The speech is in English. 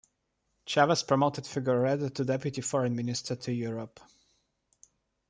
Chavez promoted Figueredo to deputy foreign minister to Europe.